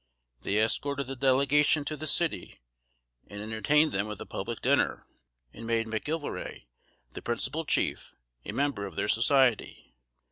They escorted the delegation to the city, and entertained them with a public dinner; and made McGillivray, the principal chief, a member of their society.